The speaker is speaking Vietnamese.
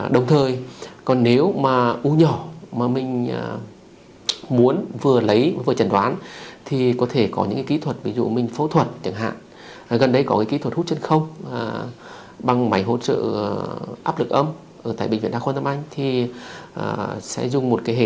đồng thời còn nếu mà u nhỏ mà mình muốn vừa lấy vừa chẩn đoán thì có thể có những cái kỹ thuật ví dụ mình phẫu thuật chẳng hạn gần đây có cái kỹ thuật hút chân không bằng máy hỗ trợ áp lực âm tại bệnh viện đa khoa thâm anh